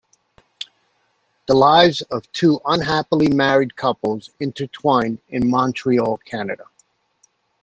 The lives of two unhappily married couples intertwine in Montreal, Canada.